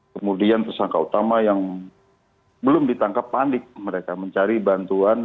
kemudian tersangka utama yang belum ditangkap panik mereka mencari bantuan